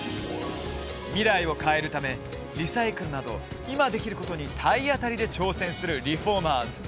未来を変えるためリサイクルなど今できることに体当たりで挑戦するリフォーマーズ。